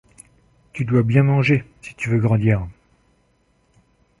Tu dois bien manger, si tu veux grandir.